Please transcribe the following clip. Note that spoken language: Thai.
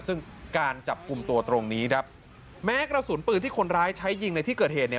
ซึ่งการจับกลุ่มตัวตรงนี้ครับแม้กระสุนปืนที่คนร้ายใช้ยิงในที่เกิดเหตุเนี่ย